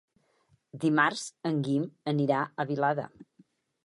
Dimarts en Guim anirà a Vilada.